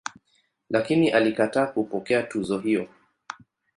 Lakini alikataa kupokea tuzo hiyo.